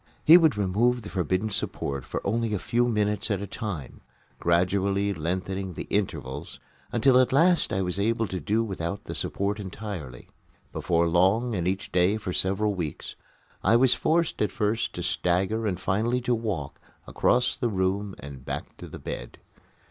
He would remove the forbidden support for only a few minutes at a time, gradually lengthening the intervals until at last I was able to do without the support entirely. Before long and each day for several weeks I was forced at first to stagger and finally to walk across the room and back to the bed.